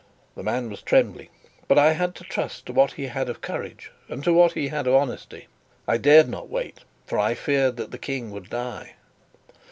The man was trembling but I had to trust to what he had of courage and to what he had of honesty. I dared not wait, for I feared that the King would die.